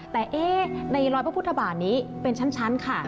แต่ในรอยพระพุทธบาทนี้เป็นชั้นค่ะ